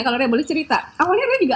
kalau ria boleh cerita awalnya ria juga